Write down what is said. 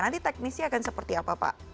nanti teknisnya akan seperti apa pak